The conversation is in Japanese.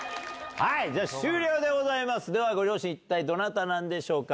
じゃあ終了でございますご両親一体どなたでしょうか。